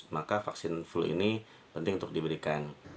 maka vaksin flu ini penting untuk diberikan